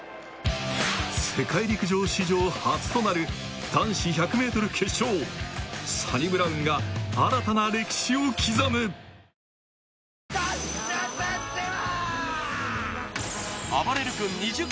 世界陸上史上初となる男子 １００ｍ 決勝サニブラウンが新たな歴史を刻む断然おいしくなった